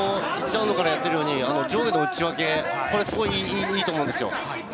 １ラウンドからやっているように、上下の打ち分け、すごいいいと思うんですよ。